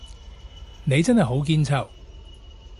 你真係好堅揪